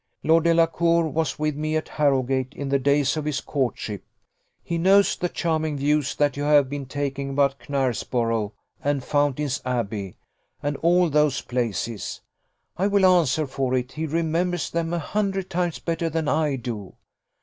Lord Delacour was with me at Harrowgate in the days of his courtship: he knows the charming views that you have been taking about Knaresborough and Fountain's Abbey, and all those places. I will answer for it, he remembers them a hundred times better than I do.